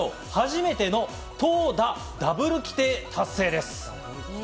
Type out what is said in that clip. メジャー史上初めての投打ダブル規定達成です。